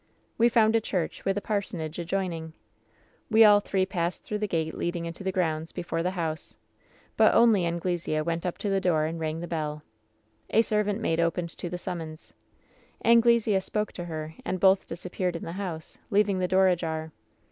"We found a church, with a parsonage adjoining. "We all three passed through the gate leading into the grounds before the house. "But only Anglesea went up to the door and ranff the 168 WHEN SHADOWS DIE ^^A servant maid opened to the summons. ^'Anglesea spoke to her, and both disappeared in the house, leaving the door ajar.